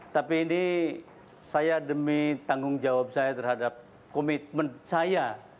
tapi ini saya demi tanggung jawab saya terhadap komitmen saya